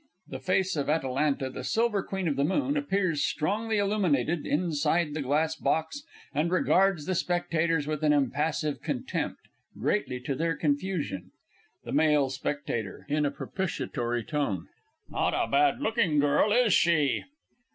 [_The face of "Atalanta, the Silver Queen of the Moon," appears strongly illuminated, inside the glass box, and regards the spectators with an impassive contempt greatly to their confusion._ THE MALE S. (in a propitiatory tone). Not a bad looking girl, is she?